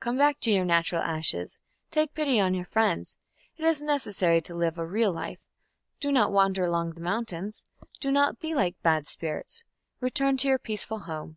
Come back to your natural ashes. Take pity on your friends. It is necessary to live a real life. Do not wander along the mountains. Do not be like bad spirits. Return to your peaceful home....